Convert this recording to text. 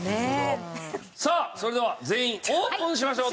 さあそれでは全員オープンしましょう。